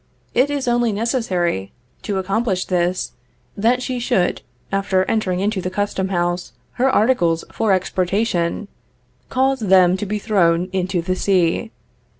It is only necessary, to accomplish this, that she should, after entering into the custom house her articles for exportation, cause them to be thrown into the sea.